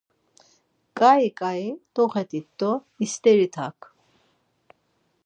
Ǩai ǩai doxedit do isterit hak.